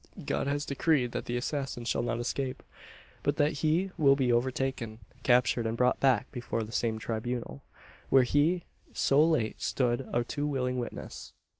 God has decreed that the assassin shall not escape; but that he will be overtaken, captured, and brought back before that same tribunal, where he so late stood a too willing witness!